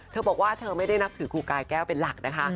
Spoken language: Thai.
เธอบอกว่าเธอไม่ได้นับถือครูกายแก้วเป็นหลักนะคะ